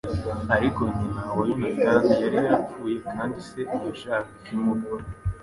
Ariko nyina wa Yonatani yari yarapfuye, kandi se ntiyashakaga ikimuga.